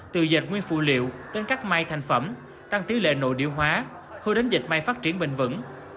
từ dịch nguyên phụ liệu đến các may thành phẩm tăng tỷ lệ nội điệu hóa hư đến dịch may phát triển bình vẩn